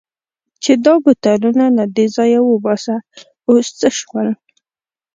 چې دا بوتلونه له دې ځایه وباسه، اوس څه شول؟